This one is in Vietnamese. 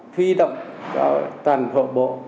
thuy động cho toàn hộ bộ